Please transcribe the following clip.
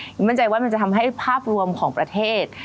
มั่นใจว่ามันจะทำให้ภาพรวมของประเทศ